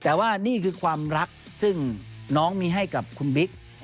แต่ว่านี่คือความรักซึ่งน้องมีให้กับคุณบิ๊ก